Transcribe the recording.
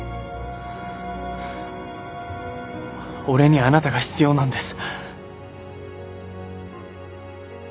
俺にはあなたが必要なんです。